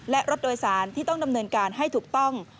และรถโดยสารที่ต้องดำเนินการให้ถูกต้อง